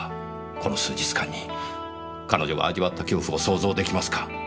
この数日間に彼女が味わった恐怖を想像できますか？